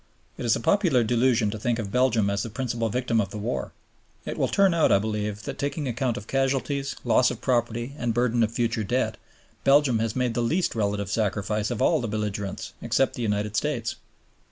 It is a popular delusion to think of Belgium as the principal victim of the war; it will turn out, I believe, that taking account of casualties, loss of property and burden of future debt, Belgium has made the least relative sacrifice of all the belligerents except the United States.